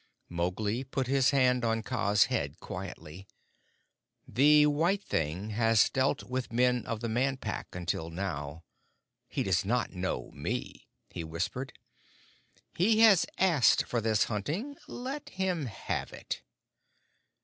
Mowgli put his hand on Kaa's head quietly. "The white thing has dealt with men of the Man Pack until now. He does not know me," he whispered. "He has asked for this hunting. Let him have it."